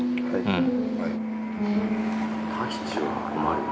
うん。